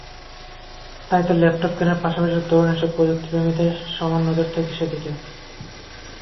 তাইতো ল্যাপটপ কেনার পাশাপাশি তরুণ এসব প্রযুক্তিপ্রেমীদের সমান নজর থাকে সেদিকে।